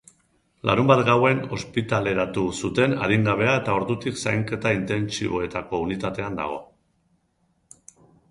Larunbat gauen ospitaleratu zuten adingabea eta ordutik zainketa intentsiboetako unitatean dago.